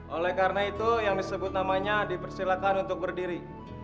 oleh karena itu yang disebut namanya dipersilakan untuk berdiri